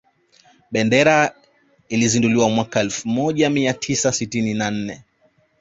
Bendera ilizinduliwa mwaka elfu moja mia tisa sitini na nne